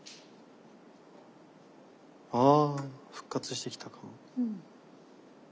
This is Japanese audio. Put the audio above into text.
ああ復活してきたかも。